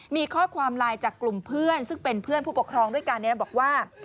มีข้อความไลน์จากกลุ่มเพื่อนซึ่งเป็นเพื่อนผู้ปกครองด้วยกันบอกว่า